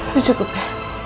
itu cukup ya